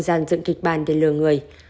giàn dựng kịch bàn để lừa người